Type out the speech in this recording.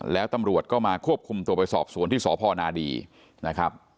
แล้วตำรวจก็มาควบคุมตัวไปสอบสวนที่สพนาดีนะครับ